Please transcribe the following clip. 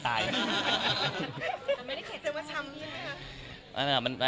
หาไม่ได้เคยเจอว่าชำใช่มั้ยคะ